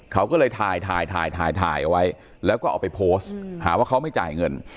เขาก็เลยถ่ายถ่ายเอาไว้แล้วก็เอาไปโพสต์หาว่าเขาไม่จ่ายเงิน